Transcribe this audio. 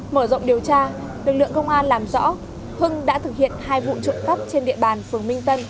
mở rộng điều tra lực lượng công an làm rõ hưng đã thực hiện hai vụ trộm cắp trên địa bàn phường minh tân